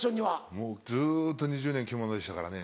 もうずっと２０年着物でしたからね。